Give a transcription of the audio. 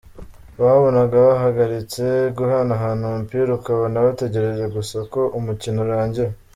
Wabonaga bahagaritse guhanahana umupira, ukabona bategereje gusa ko umukino urangira.